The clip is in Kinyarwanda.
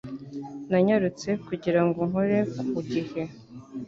Nanyarutse kugira ngo nkore ku gihe